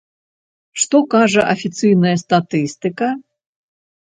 Што кажа афіцыйная статыстыка?